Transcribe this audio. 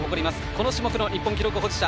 この種目の日本記録保持者